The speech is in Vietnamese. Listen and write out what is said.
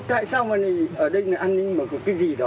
tại sao mà ở đây là an ninh mà có cái gì đó